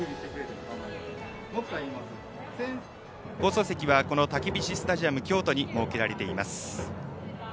放送席はたけびしスタジアム京都に設けられています。